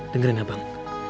dengerin ya bang